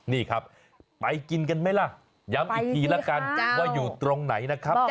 นี่ครับไปกินกันไหมล่ะย้ำอีกทีละกันว่าอยู่ตรงไหนนะครับ